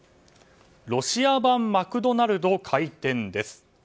ロシア版マクドナルド開店です。